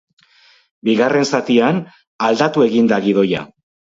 Bigarren zatian, aldatu egin da gidoia.